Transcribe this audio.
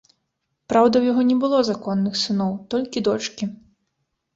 Праўда, у яго не было законных сыноў, толькі дочкі.